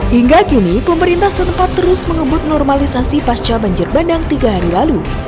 hingga kini pemerintah setempat terus mengebut normalisasi pasca banjir bandang tiga hari lalu